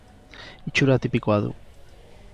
Itxura tipikoa du.